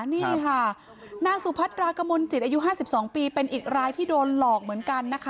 นี่ค่ะนางสุพัตรากมลจิตอายุ๕๒ปีเป็นอีกรายที่โดนหลอกเหมือนกันนะคะ